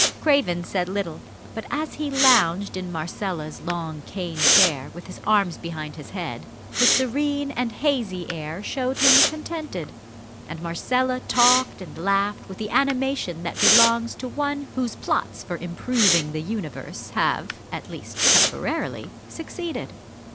Craven said little, but as he lounged in Marcella's long cane chair with his arms behind his head, his serene and hazy air showed him contented; and Marcella talked and laughed with the animation that belongs to one whose plots for improving the universe have at least temporarily succeeded.